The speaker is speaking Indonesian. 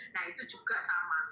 nah itu juga sama